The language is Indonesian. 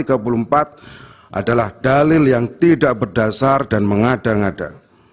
adalah dalil yang tidak berdasar dan mengada ngada